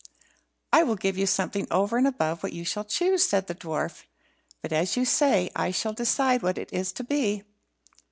"I will give you something over and above what you shall choose," said the dwarf; "but, as you say, I shall decide what it is to be."